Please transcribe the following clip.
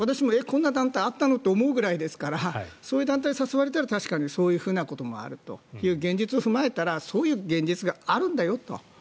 こんな団体あったの？というぐらいですからそういう団体に誘われたら確かにそういうふうなこともあるという現実を踏まえたらそういう現実があるんだよと。